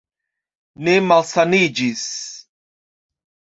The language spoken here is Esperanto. Ne malsaniĝis?